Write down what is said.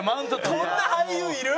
こんな俳優いる？